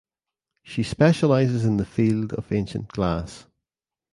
She specializes in the field of ancient glass.